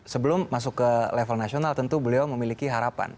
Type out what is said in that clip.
sebelum masuk ke level nasional tentu beliau memiliki harapan